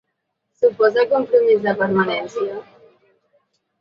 Suposa compromís de permanència?